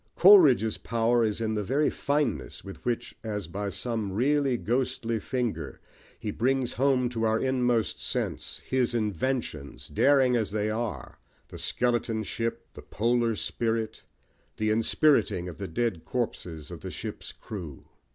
Coleridge's power is in the very fineness with which, as by some really ghostly finger, he brings home to our inmost sense his inventions, daring as they are the skeleton ship, the polar spirit, the inspiriting of the dead corpses of the ship's crew.